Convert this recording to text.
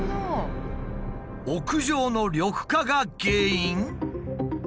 屋上の緑化が原因？